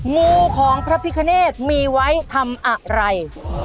งูของพระพิคเนธมีไว้ทำอะไร